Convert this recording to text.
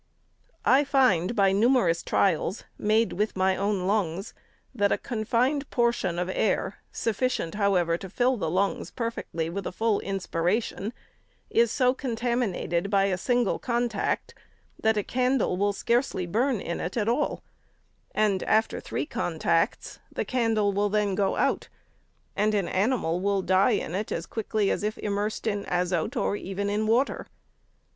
I find by numerous trials made with my own lungs, that a confined portion of air, — sufficient, however, to fill the lungs perfectly with a full inspiration, — is so contaminated by a single contact, that a candle will scarcely burn in it at all ; and, after three contacts, the candle will then go out, and an animal would die in it as quickly as if immersed in azote, or even in water.